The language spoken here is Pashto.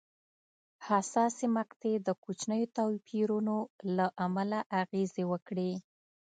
حساسې مقطعې د کوچنیو توپیرونو له امله اغېزې وکړې.